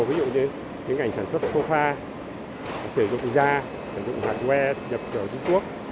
ví dụ như những ngành sản xuất sofa sử dụng da sử dụng hardware nhập khẩu trung quốc